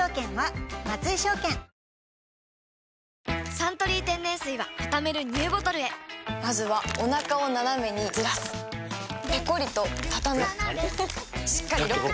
「サントリー天然水」はたためるＮＥＷボトルへまずはおなかをナナメにずらすペコリ！とたたむしっかりロック！